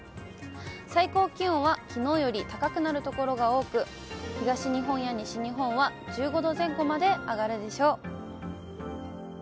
最高気温はきのうより高くなる所が多く、東日本や西日本は１５度前後まで上がるでしょう。